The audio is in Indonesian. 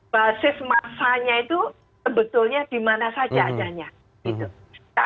basis masanya itu sebetulnya dimana saja adanya